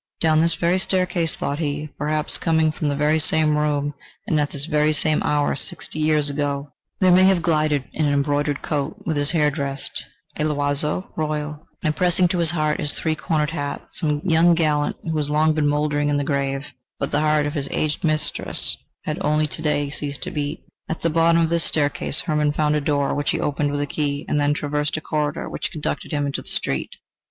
"Down this very staircase," thought he, "perhaps coming from the very same room, and at this very same hour sixty years ago, there may have glided, in an embroidered coat, with his hair dressed à l'oiseau royal and pressing to his heart his three cornered hat, some young gallant, who has long been mouldering in the grave, but the heart of his aged mistress has only to day ceased to beat..." At the bottom of the staircase Hermann found a door, which he opened with a key, and then traversed a corridor which conducted him into the street.